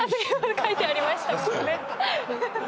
書いてありましたもんね。